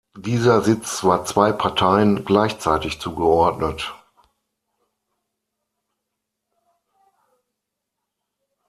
Dieser Sitz war zwei Parteien gleichzeitig zugeordnet.